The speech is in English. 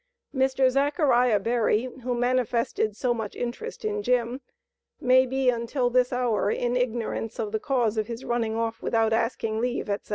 Mr. Zachariah Berry, who manifested so much interest in Jim, may be until this hour in ignorance of the cause of his running off without asking leave, etc.